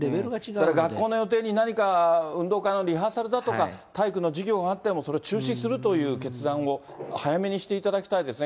これ、学校の予定に何か、運動会のリハーサルだとか、体育の授業があっても、それを中止するという決断を、早めにしていただきたいですね。